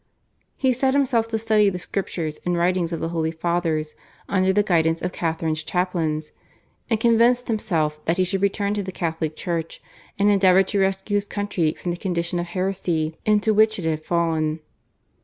He set himself to study the Scriptures and writings of the Holy Fathers under the guidance of Catharine's chaplains, and convinced himself that he should return to the Catholic Church and endeavour to rescue his country from the condition of heresy into which it had fallen.